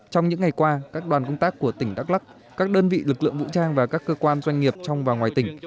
trong những ngày qua các đoàn công tác của tỉnh đắk lắc các đơn vị lực lượng vũ trang và các cơ quan doanh nghiệp trong và ngoài tỉnh